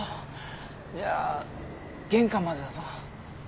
じゃ玄関までだぞ。